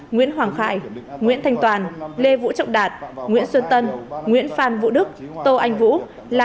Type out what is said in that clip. nguyễn hoàng khải nguyễn thanh toàn lê vũ trọng đạt nguyễn xuân tân nguyễn phan vũ đức tô anh vũ